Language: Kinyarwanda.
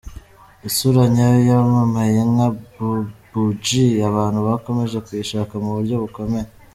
Isura nyayo y’uwamamaye nka Babou-G, abantu bakomeje kuyishaka mu buryo bukomeye.